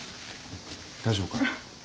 大丈夫か？